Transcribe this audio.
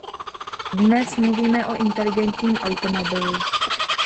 Dnes mluvíme o inteligentním automobilu.